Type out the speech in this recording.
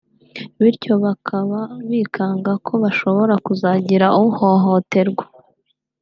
bityo bakaba bikanga ko hashobora kuzagira uhohoterwa